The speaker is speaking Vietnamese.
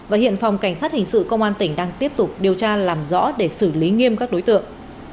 và hiện phòng cảnh sát hình sự công an tỉnh đang tiếp tục điều tra làm rõ để xử lý nghiêm các đối tượng